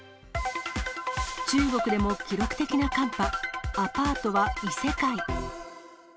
中国でも記録的な寒波、アパートは異世界。